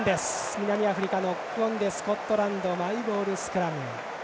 南アフリカ、ノックオンでスコットランドマイボールスクラム。